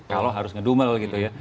kalau harus ngedumel gitu ya